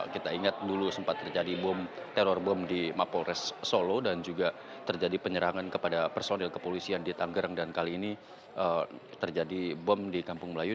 kita ingat dulu sempat terjadi bom teror bom di mapolres solo dan juga terjadi penyerangan kepada personil kepolisian di tanggerang dan kali ini terjadi bom di kampung melayu